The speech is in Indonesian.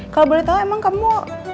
kalo boleh tau emang kamu